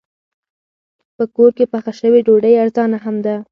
په کور کې پخه شوې ډوډۍ ارزانه هم ده.